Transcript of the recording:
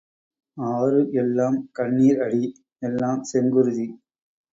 ஆறு எல்லாம் கண்ணீர் அடி எல்லாம் செங்குருதி.